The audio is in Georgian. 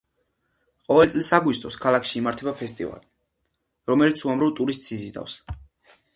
ყოველი წლის აგვისტოში, ქალაქში იმართება ფესტივალი, რომელიც უამრავ ტურისტს იზიდავს.